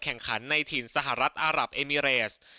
แข่งขันในถิ่นสหรัฐอารับเอมิเรส